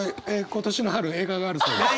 今年の春映画があるそうです。